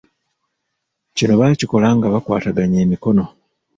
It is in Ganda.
Kino bakikola nga bakwataganye emikono.